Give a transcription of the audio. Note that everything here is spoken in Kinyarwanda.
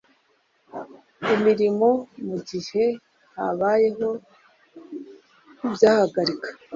imirimo mu gihe habayeho ibyahagarika